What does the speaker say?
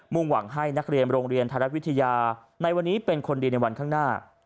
่งหวังให้นักเรียนโรงเรียนไทยรัฐวิทยาในวันนี้เป็นคนดีในวันข้างหน้า